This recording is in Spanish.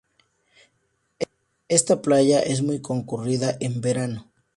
Esta playa es muy concurrida en verano.